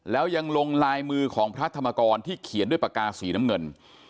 แล้วยังลงลายมือของพระธรรมกรที่เขียนด้วยปากกาสีน้ำเงิน